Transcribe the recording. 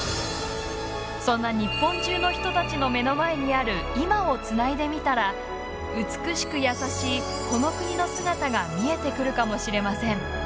そんな日本中の人たちの目の前にある「今」をつないでみたら美しく優しいこの国の姿が見えてくるかもしれません。